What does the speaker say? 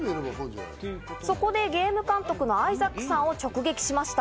そこでゲーム監督のアイザックさんを直撃しました。